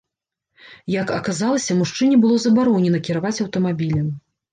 Як аказалася, мужчыне было забаронена кіраваць аўтамабілем.